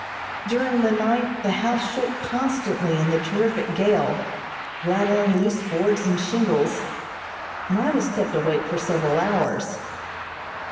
During the night the house shook constantly in the terrific gale, rattling loose boards and shingles, and I was kept awake for several hours.